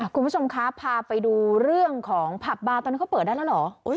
คุณผู้ชมคะพาไปดูเรื่องของผับบาร์ตอนนี้เขาเปิดได้แล้วเหรอ